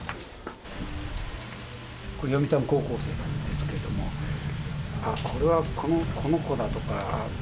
これ読谷高校生なんですけどもこれはこの子だとか。